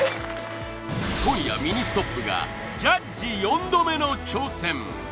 今夜ミニストップがジャッジ４度目の挑戦！